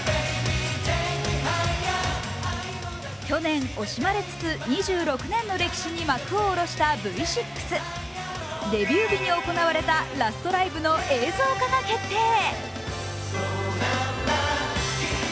去年、惜しまれつつ２６年の歴史に幕を下ろしたＶ６。デビュー日に行われたラストライブの映像化が決定。